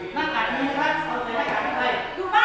ตอนนี้คุณค้นราวออกอยู่นะ